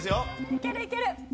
いけるいける。